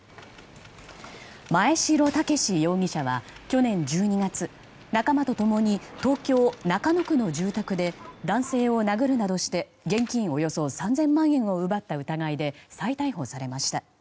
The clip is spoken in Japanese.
真栄城健容疑者は去年１２月仲間と共に東京・中野区の住宅で男性を殴るなどして現金およそ３０００万円を奪った疑いで再逮捕されました。